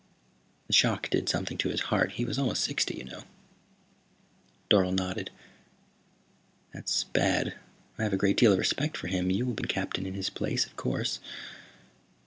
The shock did something to his heart. He was almost sixty, you know." Dorle nodded. "That's bad. I have a great deal of respect for him. You will be captain in his place, of course.